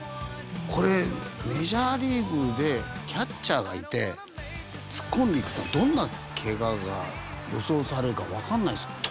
これメジャーリーグでキャッチャーがいて突っ込んでいくっていうのはどんなケガが予想されるかわかんないです。